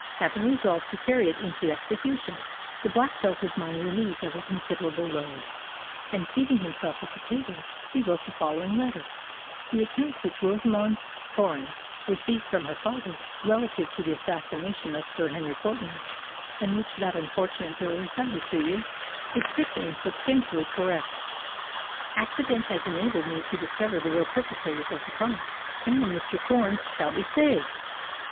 Having resolved to carry it into execution, the Black felt his mind relieved of a considerable load;—and, seating himself at the table, he wrote the following letter:— "The account which Rosamond Torrens received from her father relative to the assassination of Sir Henry Courtenay, and which that unfortunate girl recited to you, is strictly and substantially correct. Accident has enabled me to discover the real perpetrators of the crime; _and Mr. Torrens shall be saved!